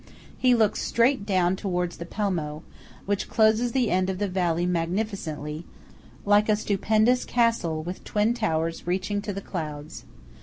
He looks straight down towards the Pelmo, which closes the end of the valley magnificently, like a stupendous castle with twin towers reaching to the clouds.